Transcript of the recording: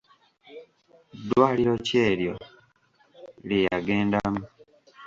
Ddwaliro ki eryo lye yagendamu?